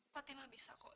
patimah bisa kok